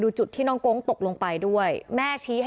อายุ๖ขวบซึ่งตอนนั้นเนี่ยเป็นพี่ชายมารอเอาน้องกั๊กนะคะ